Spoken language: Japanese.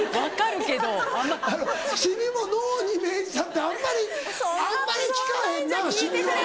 シミも脳に命じたってあんまりあんまり効かへんなシミは。